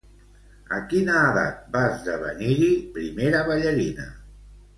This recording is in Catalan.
A quina edat va esdevenir-hi primera ballarina?